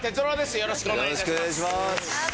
よろしくお願いします